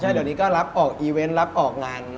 เดี๋ยวนี้ก็รับออกอีเวนต์รับออกงาน